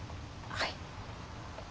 はい。